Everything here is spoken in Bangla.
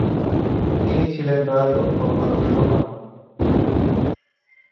তিনি ছিলেন দয়ালু ও আদর্শবান।